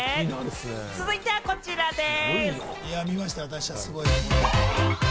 続いてはこちらです。